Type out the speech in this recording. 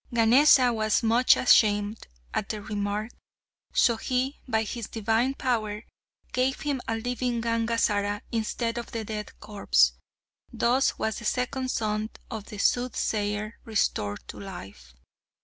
Ganesa was much ashamed at the remark. So he, by his divine power, gave him a living Gangazara instead of the dead corpse. Thus was the second son of the Soothsayer restored to life.